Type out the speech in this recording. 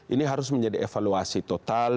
ini harus menjadi evaluasi total